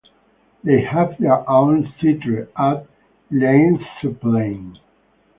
They have their own theatre at Leidseplein.